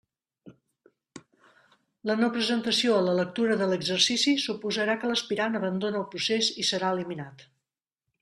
La no presentació a la lectura de l'exercici suposarà que l'aspirant abandona el procés i serà eliminat.